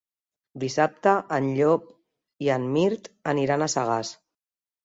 Dissabte en Llop i en Mirt aniran a Sagàs.